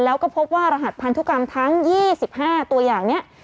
แล้วก็พบว่ารหัสพันธุกรรมทั้ง๒๕ตัวอย่างนี้